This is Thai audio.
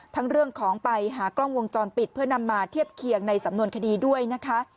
เรื่องของไปหากล้องวงจรปิดเพื่อนำมาเทียบเคียงในสำนวนคดีด้วยนะคะ